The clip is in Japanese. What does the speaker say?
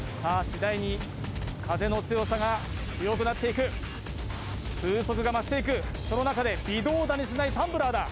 しだいに風の強さが強くなっていく風速が増していくその中で微動だにしないタンブラーだ